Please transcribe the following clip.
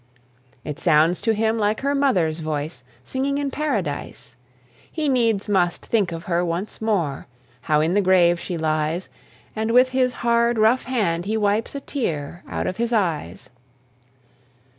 It sounds to him like her mother's voice, Singing in Paradise! He needs must think of her once more, How in the grave she lies; And with his hard, rough hand he wipes A tear out of his eyes.